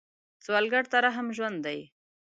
سوالګر ته رحم ژوند دی